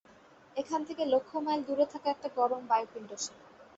এখান থেকে লক্ষ মাইল দূরে থাকা একটা গরম বায়ুপিণ্ড সে!